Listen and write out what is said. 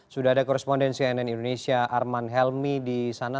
sudah ada korespondensi nn indonesia arman helmi di sana